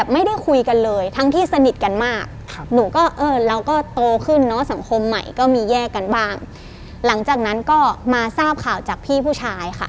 ไม่ได้คุยกันเลยทั้งที่สนิทกันมากหนูก็เออเราก็โตขึ้นเนอะสังคมใหม่ก็มีแยกกันบ้างหลังจากนั้นก็มาทราบข่าวจากพี่ผู้ชายค่ะ